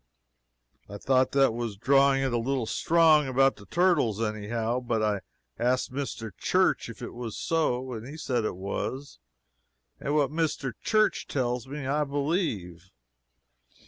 I thought that was drawing it a little strong, about the turtles, any how, but I asked Mr. Church if it was so, and he said it was, and what Mr. Church tells me, I believe.